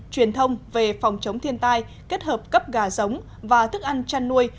truyền thông về phòng chống thiên tai kết hợp cấp gà giống và thức ăn chăn nuôi